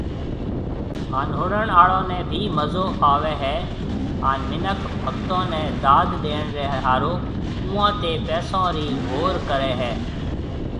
ھان ۿڻڻ آڙون ني ڀي مزو آوي ھيَََ ھان منک ڀگتون ني داد ڏيڻ ري ۿارو اوئون تي پئسون ري گھور ڪري ھيَََ